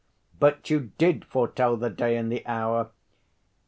"But you did foretell the day and the hour!"